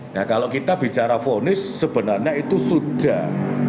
nah kalau kita bicara fonis sebenarnya itu sudah